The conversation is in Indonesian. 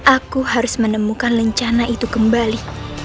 aku harus menemukan lencana itu kembali